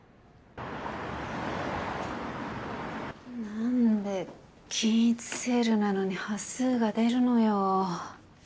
何で均一セールなのに端数が出るのよ。